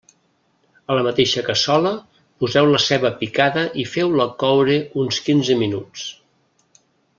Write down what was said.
A la mateixa cassola poseu la ceba picada i feu-la coure uns quinze minuts.